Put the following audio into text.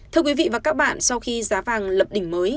thưa quý vị và các bạn sau khi giá vàng lập đỉnh mới